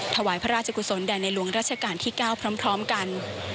ถวายพระราชกุศลแด่ในหลวงราชการที่๙พร้อมกัน